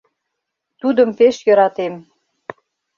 Тудым пеш йӧратем